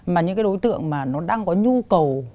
mà những đối tượng đang có nhu cầu